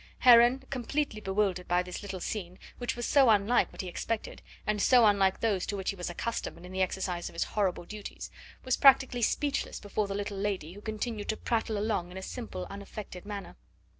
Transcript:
Heron, completely bewildered by this little scene, which was so unlike what he expected, and so unlike those to which he was accustomed in the exercise of his horrible duties, was practically speechless before the little lady who continued to prattle along in a simple, unaffected manner.